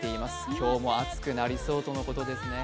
今日も暑くなりそうとのことですね。